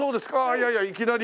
いやいやいきなり。